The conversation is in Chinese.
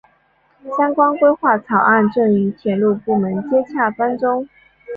相关规划草案正与铁路部门接洽当中。